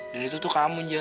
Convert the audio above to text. dan itu tuh kamu anjel